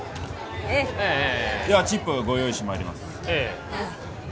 チップをご用意してまいります